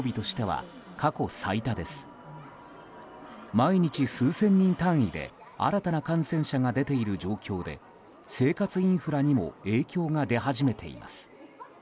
毎日、数千人単位で新たな感染者が出ている状況で生活インフラにも影響が出始めています。